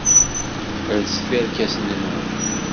Lset irkasen-nwen.